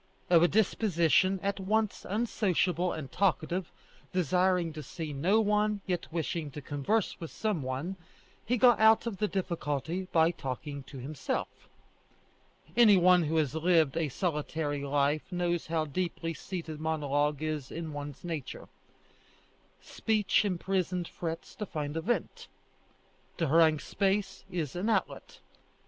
Of a disposition at once unsociable and talkative, desiring to see no one, yet wishing to converse with some one, he got out of the difficulty by talking to himself. Any one who has lived a solitary life knows how deeply seated monologue is in one's nature. Speech imprisoned frets to find a vent. To harangue space is an outlet.